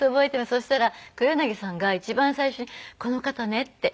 そしたら黒柳さんが一番最初に「この方ね」って。